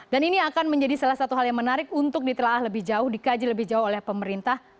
dan ini akan menjadi salah satu hal yang menarik untuk ditelah lebih jauh dikaji lebih jauh oleh pemerintah